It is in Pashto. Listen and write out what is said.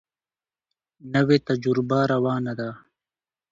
نوې تجربه روانه ده.